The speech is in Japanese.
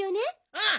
うん！